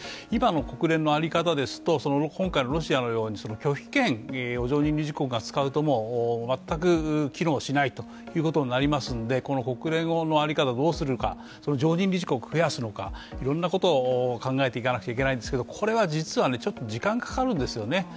今の国連の在り方ですと、今回のロシアのように拒否権を常任理事国が使うと全く機能しないということになりますのでこの国連の在り方をどうするか、常任理事国を増やすのか、いろんなことを考えていかなければならないんですがこれは実は時間がかかるんですね